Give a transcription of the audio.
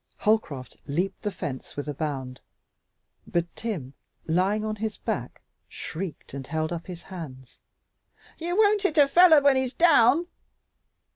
Holcroft leaped the fence with a bound, but Tim, lying on his back, shrieked and held up his hands, "You won't hit a feller when he's down!"